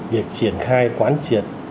việc triển khai quán triệt